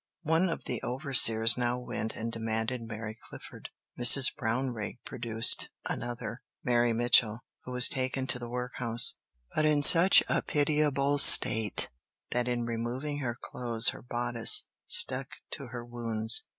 One of the overseers now went and demanded Mary Clifford. Mrs. Brownrigg produced another, Mary Mitchell, who was taken to the workhouse, but in such a pitiable state that in removing her clothes her bodice stuck to her wounds.